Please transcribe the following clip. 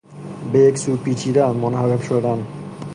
به یک سو پیچیدن، منحرف شدن